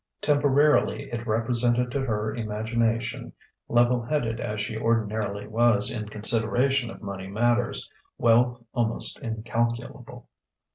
Temporarily it represented to her imagination, level headed as she ordinarily was in consideration of money matters, wealth almost incalculable.